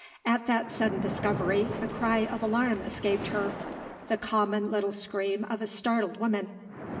At that sudden discovery, a cry of alarm escaped her the common little scream of a startled woman.